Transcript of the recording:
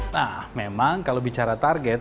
nah memang kalau bicara target